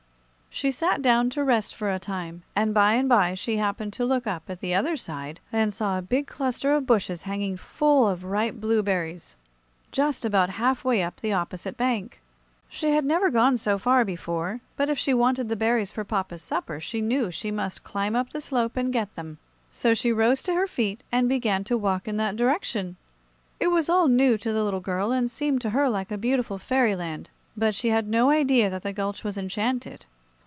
She sat down to rest for a time, and by and by she happened to look up at the other side and saw a big cluster of bushes hanging full of ripe blueberries just about half way up the opposite bank. She had never gone so far before, but if she wanted the berries for papa's supper she knew she must climb up the slope and get them; so she rose to her feet and began to walk in that direction. It was all new to the little girl, and seemed to her like a beautiful fairyland; but she had no idea that the gulch was enchanted.